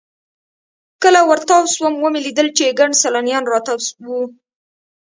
کله ورتاو سوم ومې لېدل چې ګڼ سیلانیان راتاو وو.